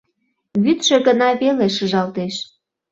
Вӱдшӧ гына веле шыжалтеш.